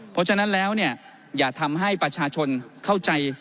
เพราะฉะนั้นแล้วเนี่ยอย่าทำให้ประชาชนเข้าใจ